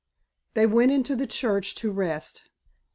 They went into the church to rest.